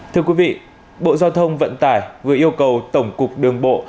thưa quý vị bộ giao thông vận tải vừa yêu cầu tổng cục đường bộ